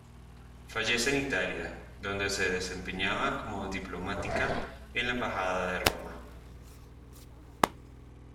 Fallece en Italia, donde se desempeñaba como diplomática en la embajada de Roma.